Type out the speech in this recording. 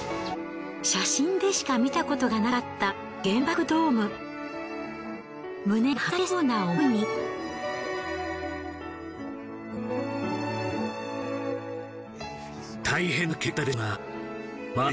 写真でしか見たことがなかった原爆ドーム。